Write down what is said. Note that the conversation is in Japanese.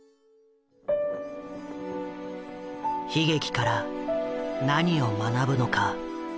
悲劇から何を学ぶのか？